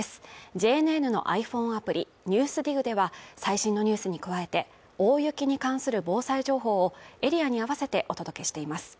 ＪＮＮのｉＰｈｏｎｅアプリ「ＮＥＷＳＤＩＧ」では最新のニュースに加えて大雪に関する防災情報をエリアに合わせてお届けしています